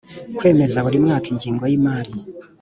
Kwemeza buri mwaka ingengo yimari